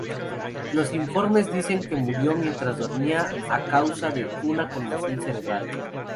Los informes dicen que murió mientras dormía a causa de una conmoción cerebral.